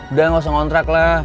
udah gak usah ngontrak lah